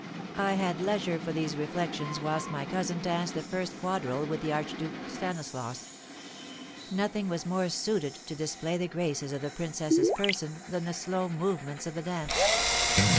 I had leisure for these reflections whilst my cousin danced the first quadrille with the Archduke Stanislaus. Nothing was more suited to display the graces of the princess's person than the slow movements of the dance.